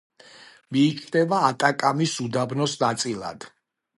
მიიჩნევა ატაკამის უდაბნოს ნაწილად.